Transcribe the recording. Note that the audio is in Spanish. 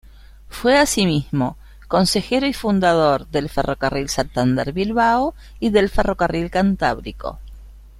Fue, asimismo, consejero y fundador del Ferrocarril Santander-Bilbao y del Ferrocarril Cantábrico.